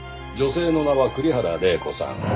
女性の名は栗原玲子さん。